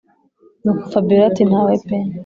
nuko fabiora ati”ntawe pe”